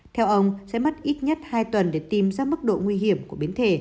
theo ông sẽ mất ít nhất hai tuần để tìm ra mức độ nguy hiểm của biến thể